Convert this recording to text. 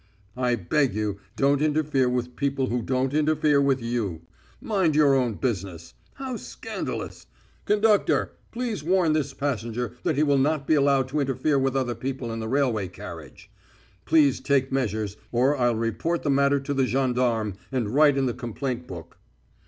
"I beg you, don't interfere with people who don't interfere with you. Mind your own business. How scandalous! Conductor, please warn this passenger that he will not be allowed to interfere with other people in the railway carriage. Please take measures, or I'll report the matter to the gendarme, and write in the complaint book."